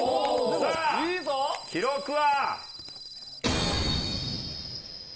さあ、記録は。